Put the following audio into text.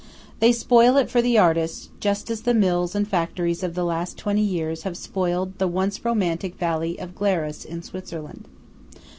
They spoil it for the artist, just as the mills and factories of the last twenty years have spoiled the once romantic valley of Glarus in Switzerland.